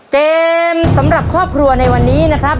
เกมสำหรับครอบครัวในวันนี้นะครับ